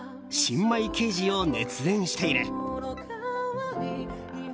新米刑事を熱演している。